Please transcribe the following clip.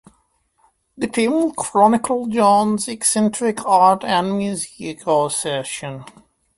The film chronicles John's eccentric art and musical obsessions.